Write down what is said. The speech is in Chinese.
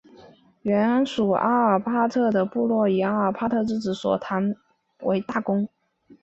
原属阿尔帕德的部落以阿尔帕德之子索尔坦为大公。